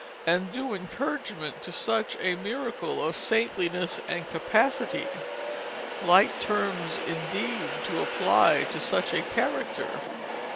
and due encouragement to such a miracle of saintliness and capacity; light terms indeed to apply to such a character.